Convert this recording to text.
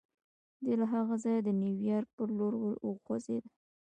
دی له هغه ځايه د نيويارک پر لور وخوځېد.